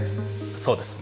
そうですね。